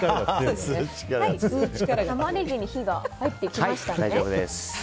タマネギに火が入ってきましたね。